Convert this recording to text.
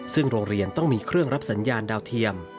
ซึ่งโรงเรียนต้องมีเครื่องรับสัญญาณดาวเทียม